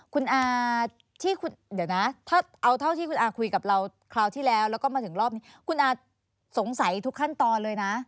คุณอาที่เดี๋ยวนะถ้าเอาเท่าที่คุณอาคุยกับเราคราวที่แล้วแล้วก็มาถึงรอบนี้คุณอาสงสัยทุกขั้นตอนเลยนะ